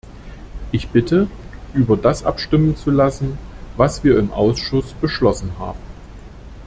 Ich bitte, über das abstimmen zu lassen, was wir im Ausschuss beschlossen haben.